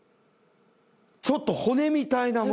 ちょっと骨みたいなもの。